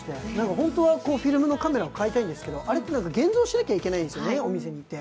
ホントはフィルムのカメラを買いたいんですけど、現像しなきゃいけないんですよね、お店に行って。